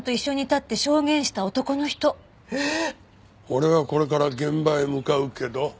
俺はこれから現場へ向かうけど？